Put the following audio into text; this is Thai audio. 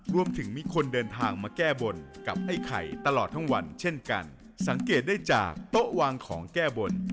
มีคนเดินทางมาแก้บนกับไอ้ไข่ตลอดทั้งวันเช่นกันสังเกตได้จากโต๊ะวางของแก้บน